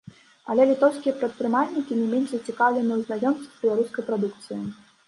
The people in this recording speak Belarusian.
Але літоўскія прадпрымальнікі не менш зацікаўленыя ў знаёмстве з беларускай прадукцыяй.